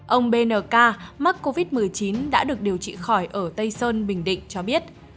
ông bnk mắc covid một mươi chín đã được điều trị khỏi ở tây sơn bình định cho biết